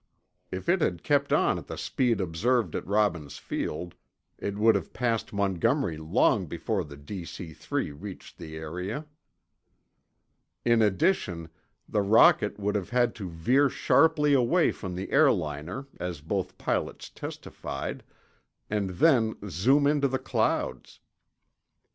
(If it had kept on at the speed observed at Robbins Field, it would have passed Montgomery long before the DC 3 reached the area.) In addition, the rocket would have had to veer sharply away from the airliner, as both pilots testified, and then zoom into the clouds.